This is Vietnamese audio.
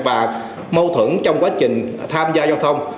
và mâu thuẫn trong quá trình tham gia giao thông